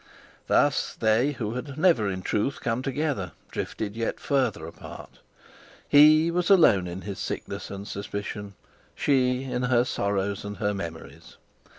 Thus they, who had never in truth come together, drifted yet further apart; he was alone in his sickness and suspicion, she in her sorrows and her memories.